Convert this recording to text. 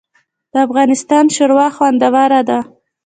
د افغانستان شوروا خوندوره ده